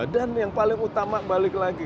dan yang paling utama balik lagi